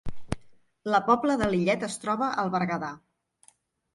La Pobla de Lillet es troba al Berguedà